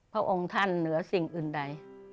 พระองค์ท่านเหนือสิ่งอื่นใด